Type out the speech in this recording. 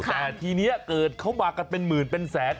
แต่ทีนี้เกิดเขามากันเป็นหมื่นเป็นแสน